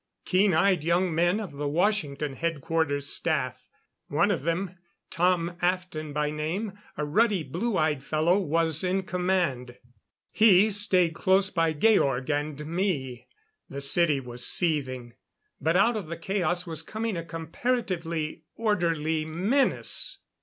Keen eyed young men of the Washington Headquarters Staff. One of them Tomm Aften by name, a ruddy, blue eyed fellow was in command. He stayed close by Georg and me. The city was seething. But out of the chaos was coming a comparatively orderly menace.